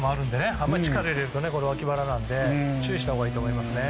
あまり力を入れると、脇腹なので注意したほうがいいと思います。